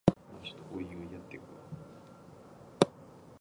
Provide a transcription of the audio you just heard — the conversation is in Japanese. じゅじゅ